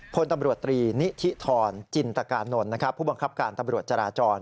พลตำรวจตรีนิธิธรจินตกานนท์ผู้บังคับการตำรวจจราจร